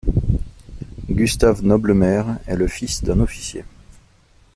Gustave Noblemaire est le fils d'un officier.